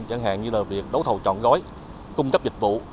chẳng hạn như là việc đấu thầu chọn gói cung cấp dịch vụ